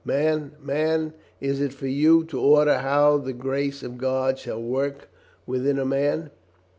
Man, man, is it for you to order how the grace of God shall work within a man?